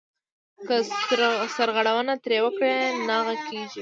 که سرغړونه ترې وکړې ناغه کېږې .